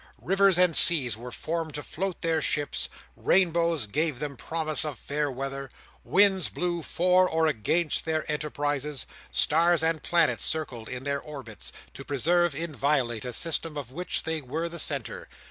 Rivers and seas were formed to float their ships; rainbows gave them promise of fair weather; winds blew for or against their enterprises; stars and planets circled in their orbits, to preserve inviolate a system of which they were the centre.